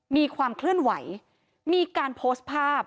มีความเคลื่อนไหวมีการโพสต์ภาพ